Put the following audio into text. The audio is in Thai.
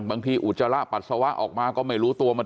บางทีอุจจาระปัสสาวะออกมาก็ไม่รู้ตัว